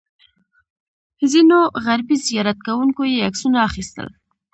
ځینو غربي زیارت کوونکو یې عکسونه اخیستل.